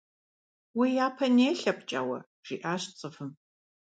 Уэ япэ нелъэ, ПкӀауэ, - жиӀащ ЦӀывым.